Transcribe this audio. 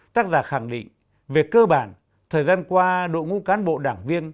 tác giả khẳng định về cơ bản thời gian qua đội ngũ cán bộ đảng viên